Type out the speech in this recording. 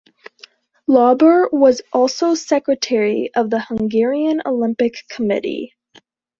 Lauber was also secretary of the Hungarian Olympic Committee.